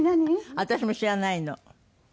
私も知らないの。